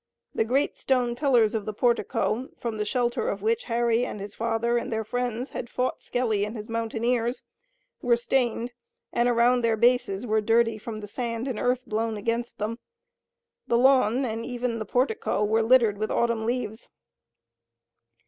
The great stone pillars of the portico, from the shelter of which Harry and his father and their friends had fought Skelly and his mountaineers, were stained, and around their bases were dirty from the sand and earth blown against them. The lawn and even the portico were littered with autumn leaves.